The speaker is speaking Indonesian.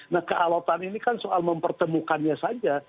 nah kealotan ini kan soal mempertemukannya saja